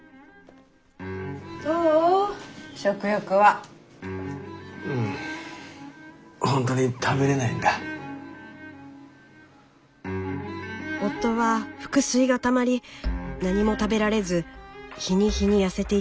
夫は腹水がたまり何も食べられず日に日に痩せていきました。